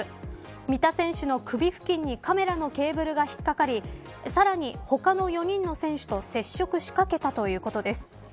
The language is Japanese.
三田選手の首付近にカメラのケーブルが引っかかりさらに他の４人の選手と接触しかけたということです。